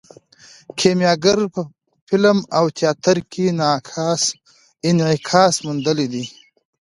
کیمیاګر په فلم او تیاتر کې انعکاس موندلی دی.